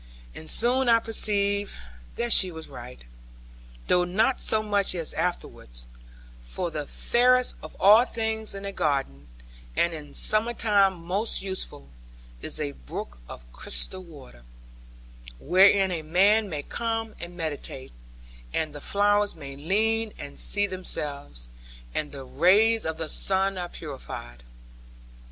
And soon I perceived that she was right, though not so much as afterwards; for the fairest of all things in a garden, and in summer time most useful, is a brook of crystal water; where a man may come and meditate, and the flowers may lean and see themselves, and the rays of the sun are purfied.